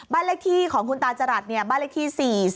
บ้านเลขที่ของคุณตาจรัสเนี่ยบ้านเลขที่๔๐